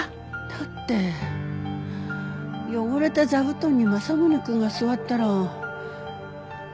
だって汚れた座布団に政宗くんが座ったらかわいそうでしょ？